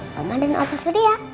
mama dan opa sedia